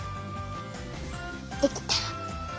できた！